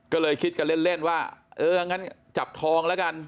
ก็เลยคิดกันเล่นว่าเอองั้นจับทองแล้วกัน